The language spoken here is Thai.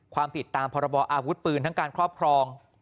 ความผิดตามพรบอาวุธปืนทั้งการครอบครอง